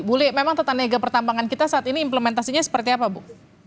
bu li memang tata negara pertambangan kita saat ini implementasinya seperti apa bu